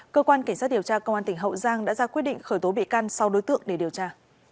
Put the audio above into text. cơ quan cảnh sát điều tra công an tỉnh hậu giang đã ra quyết định khởi tố bị can sau đối tượng để điều tra